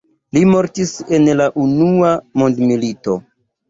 Li mortis en la unua mondmilito.